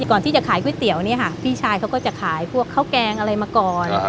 ก่อนที่จะขายก๋วยเตี๋ยวเนี่ยค่ะพี่ชายเขาก็จะขายพวกข้าวแกงอะไรมาก่อน